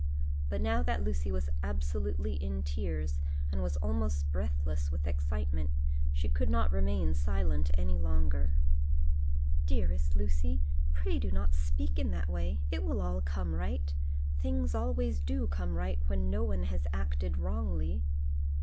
But now that Lucy was absolutely in tears, and was almost breathless with excitement, she could not remain silent any longer. "Dearest Lucy, pray do not speak in that way; it will all come right. Things always do come right when no one has acted wrongly."